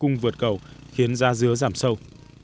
công vượt cầu khiến ra dứa giảm sâu